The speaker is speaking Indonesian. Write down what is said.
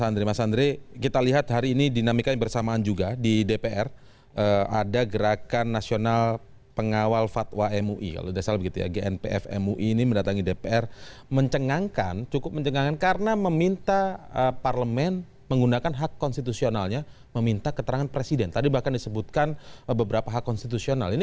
nanti kita akan lanjutkan kembali